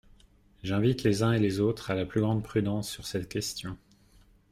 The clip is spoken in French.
J’invite les uns et les autres à la plus grande prudence sur cette question.